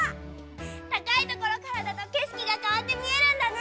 たかいところからだとけしきがかわってみえるんだね！